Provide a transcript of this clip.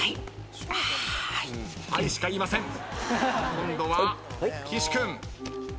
今度は岸君。